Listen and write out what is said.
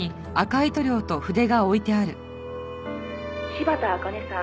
「柴田茜さん